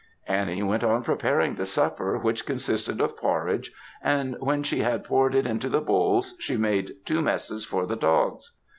Annie went on preparing the supper, which consisted of porridge; and when she had poured it into the bowls, she made two messes for the dogs.